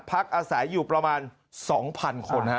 พักอาศัยอยู่ประมาณ๒๐๐๐คน